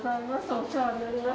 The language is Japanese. お世話になります。